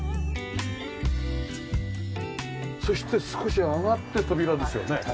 そして少し上がって扉ですよね。